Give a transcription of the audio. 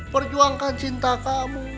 perjuangkan cinta kamu